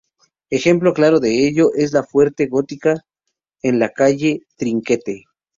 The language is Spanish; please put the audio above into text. Ejemplo claro de ello es la casa fuerte gótica en la calle Trinquete.